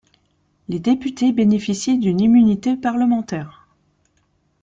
Les députés bénéficient d'une immunité parlementaire.